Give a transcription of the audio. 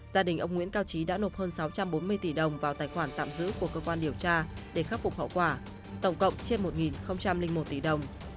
gia đình ông nguyễn cao trí đã nộp hơn sáu trăm bốn mươi tỷ đồng vào tài khoản tạm giữ của cơ quan điều tra để khắc phục hậu quả tổng cộng trên một một tỷ đồng